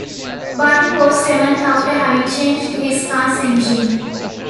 Button was seventh after having changed his car's engine.